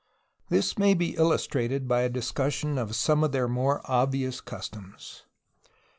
'' This may be illustrated by a discussion of some of their more obvious customs.